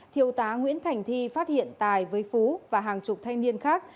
thiếu tá nguyễn thành thi phát hiện tài với phú và hàng chục thanh niên khác